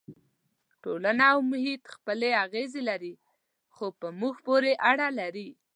ټولنه او محیط خپلې اغېزې لري خو په موږ پورې اړه لري.